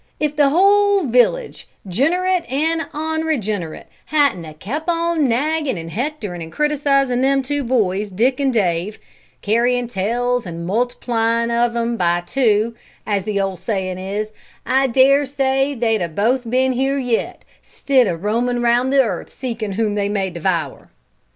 If the whole village, 'generate an' onregenerate, hadn't 'a' kep' on naggin' an' hectorin' an' criticizin' them two boys, Dick an' Dave, carryin' tales an' multiplyin' of 'em by two, 'ong root' as the ol' sayin' is, I dare say they'd 'a' both been here yet; 'stid o' roamin' roun' the earth seekin' whom they may devour."